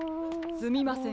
すみません。